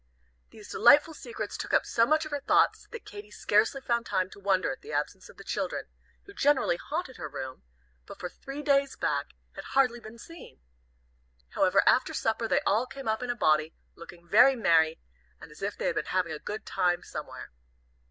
These delightful secrets took up so much of her thoughts, that Katy scarcely found time to wonder at the absence of the children, who generally haunted her room, but who for three days back had hardly been seen. However, after supper they all came up in a body, looking very merry, and as if they had been having a good time somewhere.